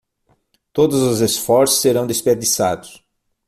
Todos os esforços serão desperdiçados